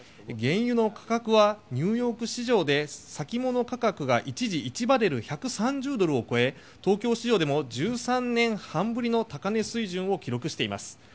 原油の価格はニューヨーク市場で先物価格が一時１バレル、１３０ドルを超え東京市場でも１３年半ぶりの高値水準を記録しています。